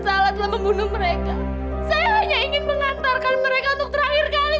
saya ingin menghadiri pemakaman anak saya untuk terakhir kali